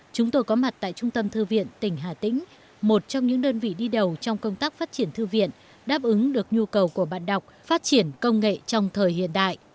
chúng tôi có mặt tại trung tâm thư viện tỉnh hà tĩnh một trong những đơn vị đi đầu trong công tác phát triển thư viện đáp ứng được nhu cầu của bạn đọc phát triển công nghệ trong thời hiện đại